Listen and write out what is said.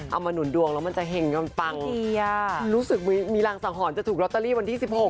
อ๋อเอามาหนุนดวงแล้วมันจะเห็นกำลังฟังดีอ่ะรู้สึกมีมีรางสังหรรภ์จะถูกล็อตเตอรี่วันที่สิบหก